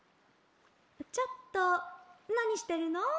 「ちょっとなにしてるの？